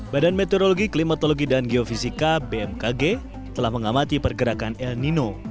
badan meteorologi klimatologi dan geofisika bmkg telah mengamati pergerakan el nino